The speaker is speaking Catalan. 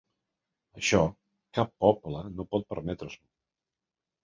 Això, cap poble no pot permetre-s’ho.